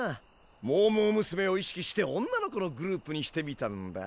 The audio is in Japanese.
モーモーむすめを意識して女の子のグループにしてみたんだ。